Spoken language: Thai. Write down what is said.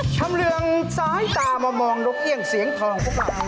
ทำเรื่องสายตามามองนกเอียงเสียงทองเขามา